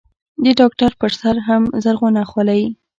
د ډاکتر پر سر هم زرغونه خولۍ.